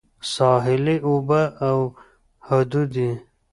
ساحلي اوبه او حدود یې